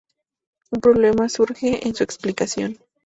Un problema surge en su explicación.